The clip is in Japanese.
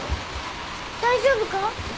大丈夫か？